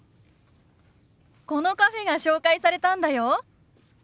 このカフェが紹介されたんだよ。